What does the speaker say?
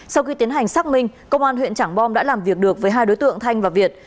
sau khi tiến hành xác minh công an huyện trảng bom đã làm việc được với hai đối tượng thanh và việt